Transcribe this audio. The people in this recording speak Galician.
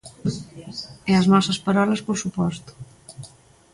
E as nosas parolas por soposto.